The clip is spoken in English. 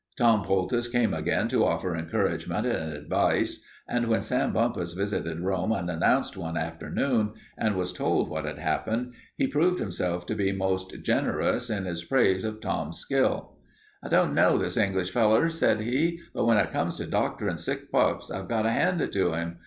Tom Poultice came again to offer encouragement and advice, and when Sam Bumpus visited Rome unannounced one afternoon and was told what had happened, he proved himself to be most generous in his praise of Tom's skill. "I don't know this English feller," said he, "but when it comes to doctorin' sick pups, I've got to hand it to him.